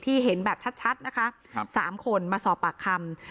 เห็นแบบชัดนะคะ๓คนมาสอบปากคำ